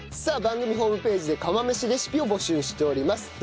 さあ番組ホームページで釜飯レシピを募集しております。